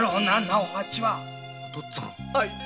お父っつぁん。